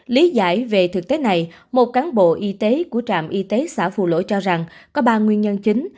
lý giải về thực tế này một cán bộ y tế của trạm y tế xã phù lỗi cho rằng có ba nguyên nhân chính